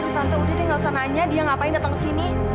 harus tante udah deh nggak usah nanya dia ngapain datang ke sini